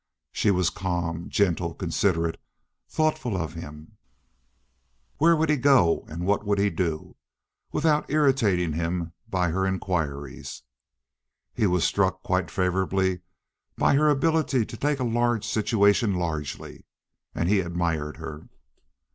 She was calm, gentle, considerate—thoughtful of him—where he would go and what he would do, without irritating him by her inquiries. He was struck quite favorably by her ability to take a large situation largely, and he admired her.